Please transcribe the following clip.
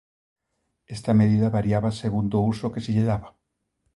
Esta medida variaba segundo o uso que se lle daba.